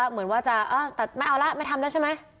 เหมือนว่าจะตัดไม่เอาละไม่ทำแล้วใช่ไหม